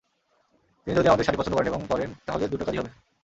তিনি যদি আমাদের শাড়ি পছন্দ করেন এবং পরেন, তাহলে দুটো কাজই হবে।